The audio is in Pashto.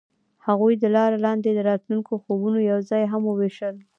هغوی د لاره لاندې د راتلونکي خوبونه یوځای هم وویشل.